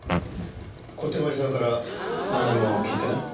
小手鞠さんから何も聞いてない？